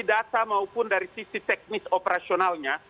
kerasa maupun dari sisi teknis operasionalnya